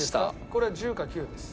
これは１０か９です。